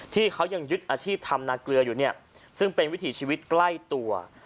ที่เขายังยึดอาชีพทำนาเกลืออยู่เนี่ยซึ่งเป็นวิถีชีวิตใกล้ตัว